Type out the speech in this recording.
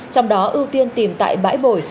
trong đó ưu tiên tìm tại bãi bồi